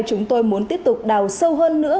chúng tôi muốn tiếp tục đào sâu hơn nữa